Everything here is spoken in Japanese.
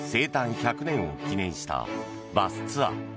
１００年を記念したバスツアー。